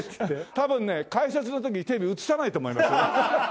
多分ね解説の時テレビ映さないと思います。